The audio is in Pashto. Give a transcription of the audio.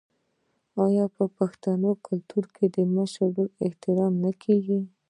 آیا د پښتنو په کلتور کې د مشر ورور احترام نه کیږي؟